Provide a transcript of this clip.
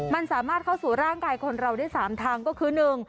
มันสามารถเข้าสู่ร่างกายคนเราได้๓ทางก็คือ๑